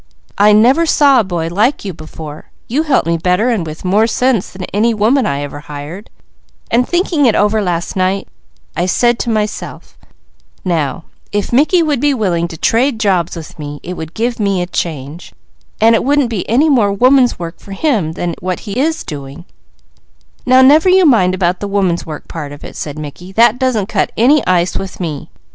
I never saw a boy like you before; you helped me better and with more sense than any woman I ever hired, and thinking it over last night, I said to myself, 'Now if Mickey would be willing to trade jobs with me, it would give me a change, and it wouldn't be any more woman's work for him than what he is doing " "Well never you mind about the 'woman's work' part of it," said Mickey. "That doesn't cut any ice with me.